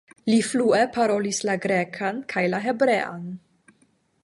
Li flue parolis la grekan kaj la hebrean.